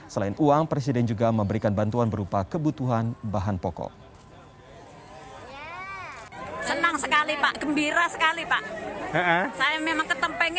selain uang presiden juga memberikan bantuan berupa kebutuhan bahan pokok